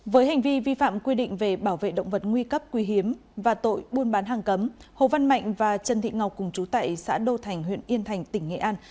với hành vi vi phạm quy định về bảo vệ động vật nguy cấp quý hiếm và tội buôn bán hàng cấm hồ văn mạnh và trần thị ngọc cùng chú tại xã đô thành huyện yên thành tỉnh nghệ an